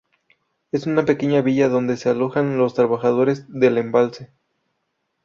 Es una pequeña villa donde se alojan los trabajadores del embalse.